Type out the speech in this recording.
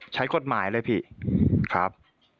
ใช้กฎหมายเลยพี่ครับ